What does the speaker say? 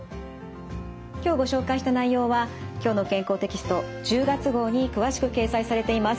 今日ご紹介した内容は「きょうの健康」テキスト１０月号に詳しく掲載されています。